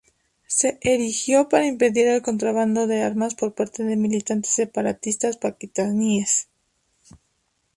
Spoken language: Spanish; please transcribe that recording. Se erigió para impedir el contrabando de armas por parte de militantes separatistas pakistaníes.